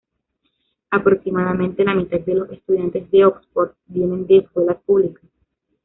Aproximadamente la mitad de los estudiantes de Oxford vienen de escuelas públicas.